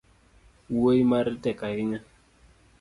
Wuoi mare tek ahinya